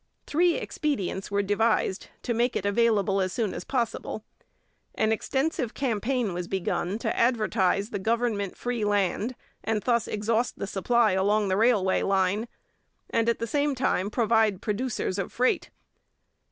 Three expedients were devised to make it available as soon as possible. An extensive campaign was begun to advertise the government free land and thus exhaust the supply along the railway line, and at the same time provide producers of freight.